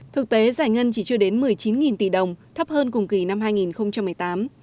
thực tế giải ngân chỉ chưa đến một mươi chín tỷ đồng thấp hơn cùng kỳ năm hai nghìn một mươi tám